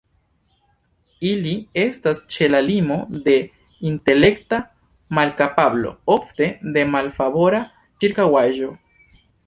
Ili estas ĉe la limo de intelekta malkapablo, ofte de malfavora ĉirkaŭaĵo.